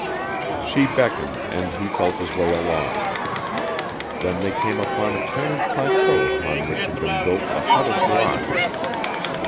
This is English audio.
She beckoned and he felt his way along. Then they came upon a tiny plateau upon which had been built a hut of rocks.